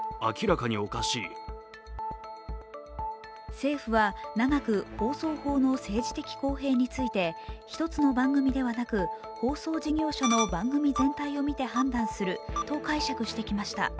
政府は長く、放送法の政治的公平について一つの番組ではなく放送事業者の番組全体を見て判断すると解釈してきました。